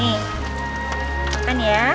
nih makan ya